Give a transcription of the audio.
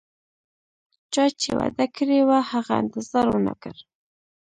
چا چې وعده کړي وه، هغه انتظار ونه کړ